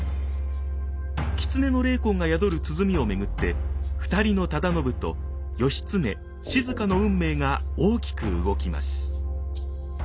狐の霊魂が宿る鼓を巡って２人の忠信と義経静の運命が大きく動きます。